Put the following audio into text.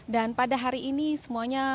dan pada hari ini semuanya